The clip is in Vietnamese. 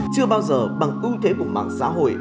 chưa bao giờ bằng ưu thế của mạng xã hội